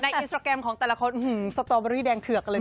อินสตราแกรมของแต่ละคนสตอเบอรี่แดงเถือกกันเลย